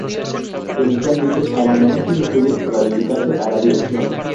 Eventualmente abandonó sus estudios para dedicarse a la dirección.